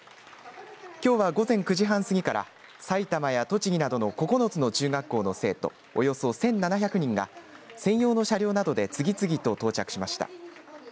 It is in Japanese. きょうは午前９時半過ぎから埼玉や栃木などの９つの中学校の生徒およそ１７００人が専用の車両などで次々と到着しました。